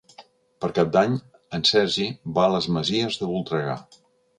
Per Cap d'Any en Sergi va a les Masies de Voltregà.